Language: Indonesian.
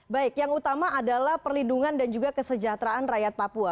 baik yang utama adalah perlindungan dan juga kesejahteraan rakyat papua